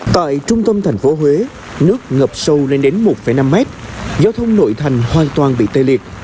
tại trung tâm thành phố huế nước ngập sâu lên đến một năm mét giao thông nội thành hoàn toàn bị tê liệt